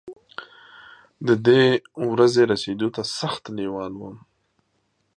ددې ورځې رسېدو ته سخت لېوال وم.